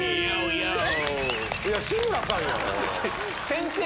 志村さんやん！